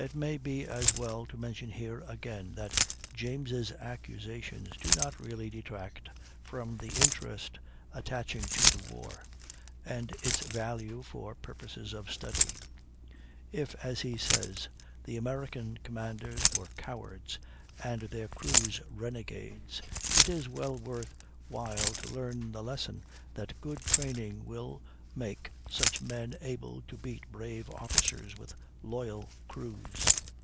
It may be as well to mention here, again, that James' accusations do not really detract from the interest attaching to the war, and its value for purposes of study. If, as he says, the American commanders were cowards, and their crews renegades, it is well worth while to learn the lesson that good training will make such men able to beat brave officers with loyal crews.